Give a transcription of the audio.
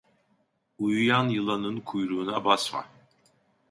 Uyuyan yılanın kuyruğuna basma.